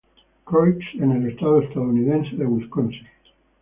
Croix en el estado estadounidense de Wisconsin.